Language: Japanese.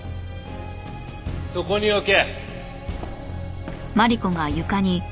そこに置け。